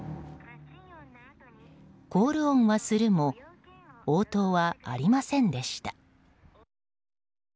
コール音はするも応答はありませんでした。